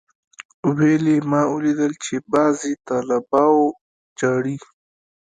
ويل يې ما اوليدل چې بعضي طلبا جاړي.